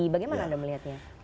bagaimana anda melihatnya